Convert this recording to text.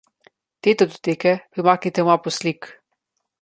Te datoteke premaknite v mapo slik.